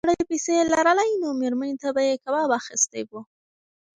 که سړي پیسې لرلای نو مېرمنې ته به یې کباب اخیستی و.